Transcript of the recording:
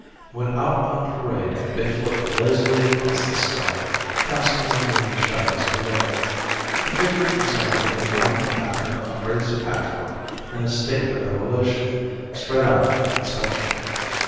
When out on parade they float lazily across the sky, casting their moving shadows below. The figures resemble a mammoth pattern of crazy patchwork in a state of evolution spread out for inspection.